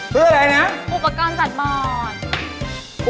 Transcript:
เพื่ออะไรนะอุปกรณ์ตัดบอร์ด